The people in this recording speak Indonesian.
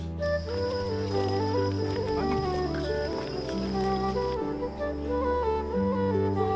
dan meng satellite di antara leluhur setiap wood and road